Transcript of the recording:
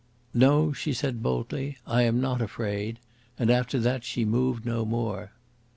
"No," she said boldly; "I am not afraid," and after that she moved no more.